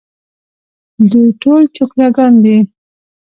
دوی ټول چوکره ګان دي.